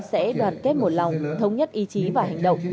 sẽ đoàn kết một lòng thống nhất ý chí và hành động